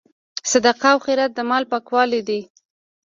صدقه او خیرات د مال پاکوالی دی.